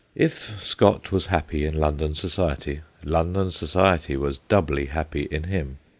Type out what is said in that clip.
If Scott was happy in London society, London society was doubly happy in him.